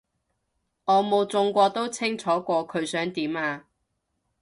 我冇中過都清楚過佢想點啊